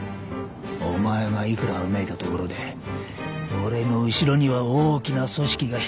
お前がいくらわめいたところで俺の後ろには大きな組織が控えてるんだ。